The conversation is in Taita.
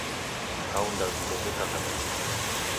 Kaunda vindo veka kabatini